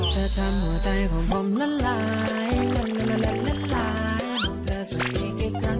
เจ้าทำหัวใจของผมละลายละลายหัวเธอสุดที่ใกล้ข้าง